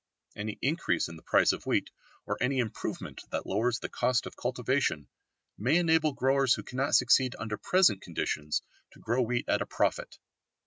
Any increase in the price of wheat, or any improvement that lowers the cost of cultivation, may enable growers who cannot succeed under present conditions to grow wheat at a profit.